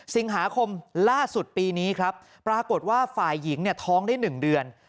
สิงหาคมล่าสุดปีนี้ครับปรากฏว่าฝ่ายหญิงเนี่ยท้องได้๑เดือน